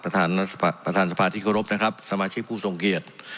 ประธานสภาที่เคารพนะครับสมาชิกผู้ทรงเกียจ